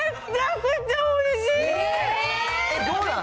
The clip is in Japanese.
どうなん？